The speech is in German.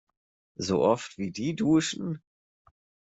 So oft, wie die duschen!